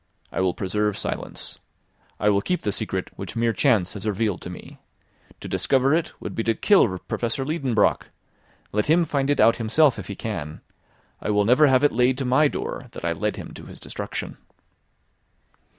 I will preserve silence. I will keep the secret which mere chance has revealed to me. To discover it, would be to kill Professor Liedenbrock! Let him find it out himself if he can. I will never have it laid to my door that I led him to his destruction."